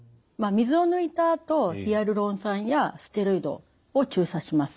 水を抜いたあとヒアルロン酸やステロイドを注射します。